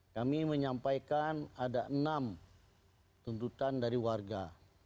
kami menyampaikan ada enam tuntutan dari warga